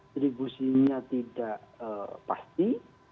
jadi guisinya tidak pasti